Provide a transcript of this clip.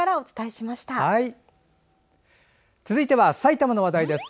続いては、埼玉の話題です。